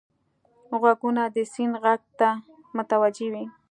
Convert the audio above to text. غوږونه د سیند غږ ته متوجه وي